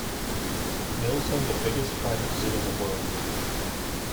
Mills owned the biggest private zoo in the world.